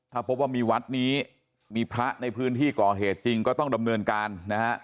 ถ้าพบว่ามีวัดนี้มีพระในพื้นที่ก่อเหตุจริงก็ต้องดำเนินการนะฮะ